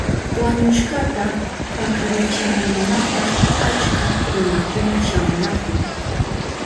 Wañushkata pakarichinankunapa achka runakuna shamunahun.